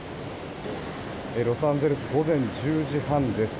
ロサンゼルス午前１０時半です。